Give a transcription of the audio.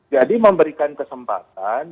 jadi memberikan kesempatan